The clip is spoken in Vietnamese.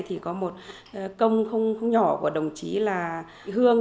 thì có một công không nhỏ của đồng chí là hương